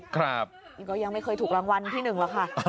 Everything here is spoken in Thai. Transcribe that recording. ก็ยังไม่เคยถูกรางวัลที่๑แล้วค่ะ